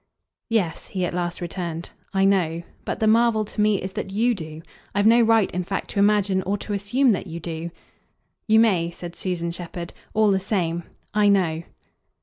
"Yes," he at last returned, "I know. But the marvel to me is that YOU do. I've no right in fact to imagine or to assume that you do." "You may," said Susan Shepherd, "all the same. I know."